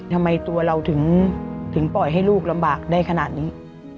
ทำไมตัวเราถึงปล่อยให้ลูกลำบากได้ขนาดนี้